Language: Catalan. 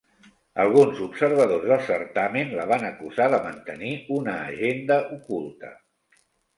Alguns observadors del certamen la van acusar de mantenir una agenda oculta.